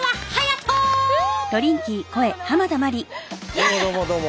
どうもどうもどうも。